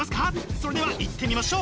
それではいってみましょう！